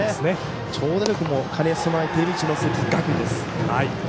長打力も兼ね備えている一関学院です。